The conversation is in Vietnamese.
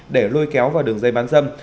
để lôi kéo vào đường dây bán dâm